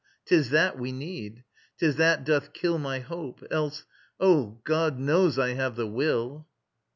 'Tis that we need. 'Tis that doth kill My hope. Else ... Oh, God knows I have the will!